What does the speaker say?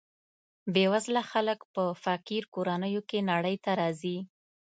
بې وزله خلک په فقیر کورنیو کې نړۍ ته راځي.